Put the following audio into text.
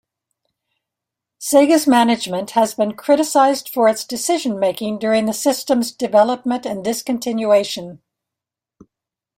Sega's management has been criticized for its decision-making during the system's development and discontinuation.